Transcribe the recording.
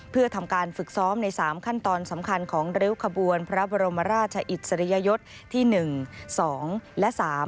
เพื่อทำการฝึกซ้อมใน๓ขั้นตอนสำคัญของริ้วขบวนพระบรมราชอิสริยยศที่๑๒และ๓